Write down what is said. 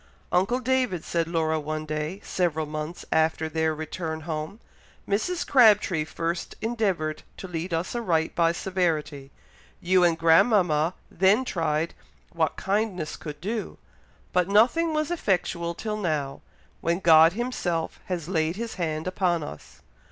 "Uncle David," said Laura one day, several months after their return home, "Mrs. Crabtree first endeavoured to lead us aright by severity, you and grandmama then tried what kindness could do, but nothing was effectual till now, when God Himself has laid His hand upon us.